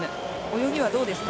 泳ぎはどうですか？